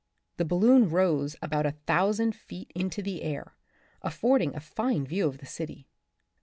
The balloon rose about a thousand feet into the air, affording a fine view of the city.